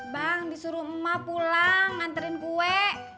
bang disuruh emak pulang nganterin kue